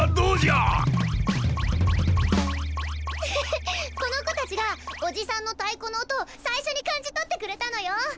うふふっこの子たちがおじさんの太鼓の音を最初に感じ取ってくれたのよ。